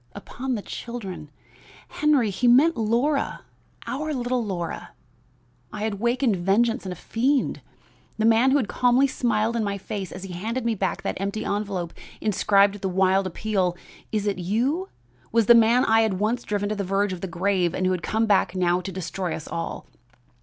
Upon the children! Henry, he meant Laura! our little Laura! I had wakened vengeance in a fiend. The man who had calmly smiled in my face as he handed me back that empty envelope inscribed with the wild appeal, 'Is it you?' was the man I had once driven to the verge of the grave and who had come back now to destroy us all.